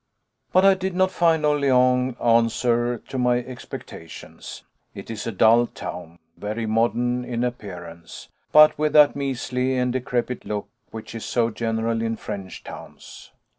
But I did not find Orléans answer to my expectations. It is a dull town, very modern in appearance, but with that measly and decrepit look which is so general in French towns.